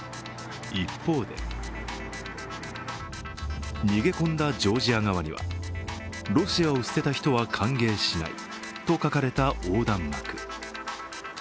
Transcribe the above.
一方で逃げ込んだジョージア側には、ロシアを捨てた人は歓迎しないと書かれた横断幕。